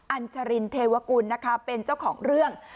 ัญชรินเทวกุลนะคะเป็นเจ้าของเรื่อง